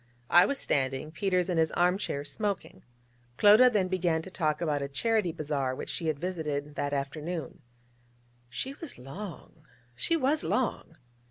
I was standing; Peters in his arm chair, smoking. Clodagh then began to talk about a Charity Bazaar which she had visited that afternoon. She was long, she was long.